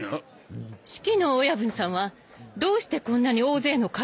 シキの親分さんはどうしてこんなに大勢の海賊たちを？